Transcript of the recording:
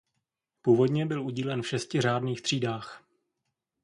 Původně byl udílen v šesti řádných třídách.